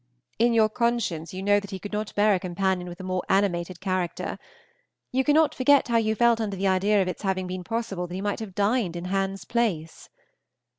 In your conscience you know that he could not bear a companion with a more animated character. You cannot forget how you felt under the idea of its having been possible that he might have dined in Hans Place.